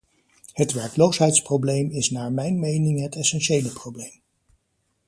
Het werkloosheidsprobleem is naar mijn mening het essentiële probleem.